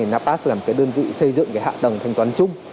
napas là một đơn vị xây dựng cái hạ tầng thanh toán chung